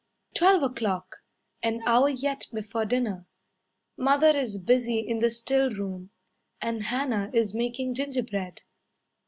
Twelve o'clock! An hour yet before dinner. Mother is busy in the still room, And Hannah is making gingerbread.